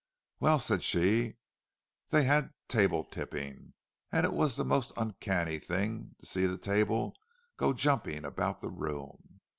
"Well," said she, "they had table tipping—and it was the most uncanny thing to see the table go jumping about the room!